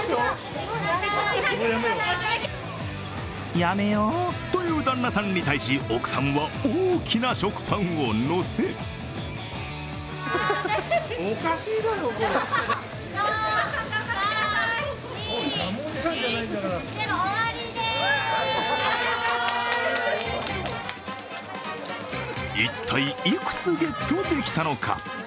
やめようと言う旦那さんに対し奥さんは大きな食パンを載せ一体、いくつゲットできたのか。